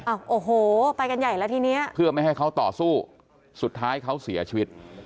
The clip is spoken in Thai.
โอ้โหไปกันใหญ่แล้วทีเนี้ยเพื่อไม่ให้เขาต่อสู้สุดท้ายเขาเสียชีวิต